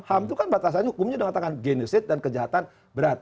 ham itu kan batasannya hukumnya dengan tangan geneset dan kejahatan berat